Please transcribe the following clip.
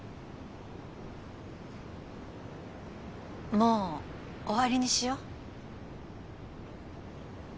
もう終わりにしよ。